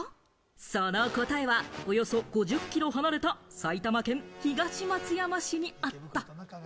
その答えはおよそ５０キロ離れた埼玉県東松山市にあった。